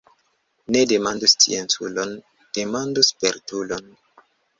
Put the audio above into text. Ne demandu scienculon, demandu spertulon.